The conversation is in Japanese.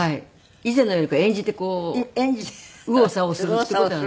以前のように演じてこう右往左往するっていう事は。